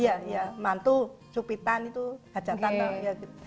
iya iya mantu cupitan itu ajak ajak